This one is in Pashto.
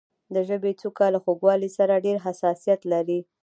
د ژبې څوکه له خوږوالي سره ډېر حساسیت لري.